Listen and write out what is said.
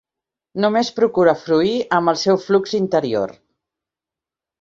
Només procura fruir amb el seu flux interior.